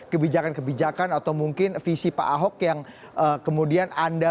kebijakan kebijakan atau mungkin visi pak ahok yang kemudian anda